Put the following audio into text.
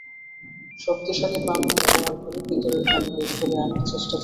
শক্তিশালী পাম্প ব্যবহার করে ভেতরের পানি বের করে আনার চেষ্টা চলছে।